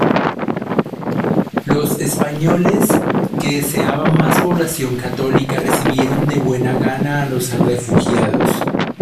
Los españoles, que deseaban más población católica, recibieron de buena gana a los refugiados.